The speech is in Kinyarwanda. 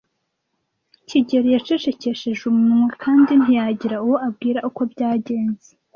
kigeli yacecekesheje umunwa kandi ntiyagira uwo abwira uko byagenze.